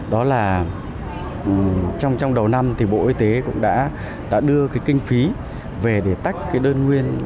đó là trong đầu năm thì bộ y tế cũng đã đưa cái kinh phí về để tách cái đơn nguyên